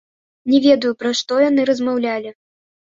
Не ведаю, пра што яны размаўлялі.